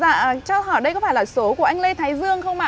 dạ cho hỏi đây có phải là số của anh lê thái dương không ạ